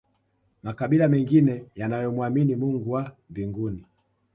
makabila mengine yanayomwamini mungu wa mbinguni